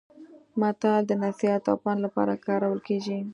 متل د نصيحت او پند لپاره کارول کیږي